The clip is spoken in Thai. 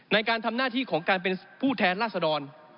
ในการทำหน้าที่ของการเป็นผู้แทนราษดร